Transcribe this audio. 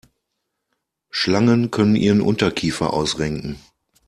Schlangen können ihren Unterkiefer ausrenken.